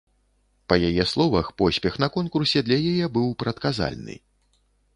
Па яе словах, поспех на конкурсе для яе быў прадказальны.